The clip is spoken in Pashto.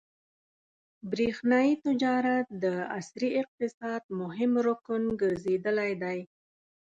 برېښنايي تجارت د عصري اقتصاد مهم رکن ګرځېدلی دی.